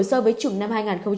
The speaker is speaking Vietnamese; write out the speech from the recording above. so với chủng năm hai nghìn hai mươi